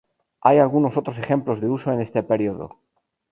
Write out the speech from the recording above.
Hay algunos otros ejemplos de uso en este período.